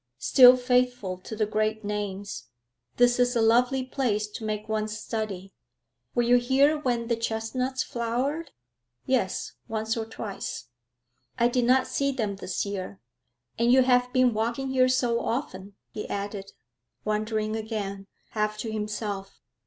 'Still faithful to the great names. This is a lovely place to make one's study. Were you here when the chestnuts flowered?' 'Yes, once or twice.' 'I did not see them this year. And you have been walking here so often,' he added, wondering again, half to himself.